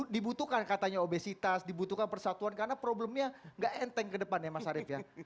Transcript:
dibutuhkan katanya obesitas dibutuhkan persatuan karena problemnya nggak enteng ke depannya mas arief ya